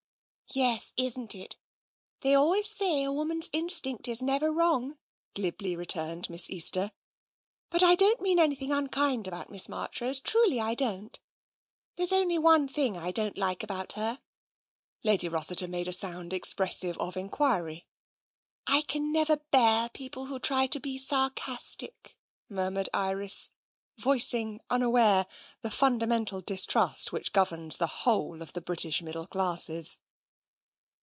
" Yes, isn't it ? They always say a woman's in stinct is never wrong," glibly returned Miss Easter. " But I don't mean anything unkind about Miss March rose, truly I don't ; there's only one thing I don't like about her." Lady Rossiter made a sound expressive of enquiry. " I never can bear people who try to be sarcastic," murmured Iris, voicing unaware the fundamental dis trust which governs the whole of the British middle classes.